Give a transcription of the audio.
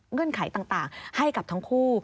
เงื่อนไขต่างให้กับทั้งคู่